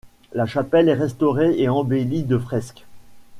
La chapelle est restaurée et embellie de fresques.